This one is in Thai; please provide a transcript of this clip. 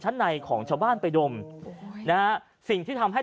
ชาวบ้านญาติโปรดแค้นไปดูภาพบรรยากาศขณะ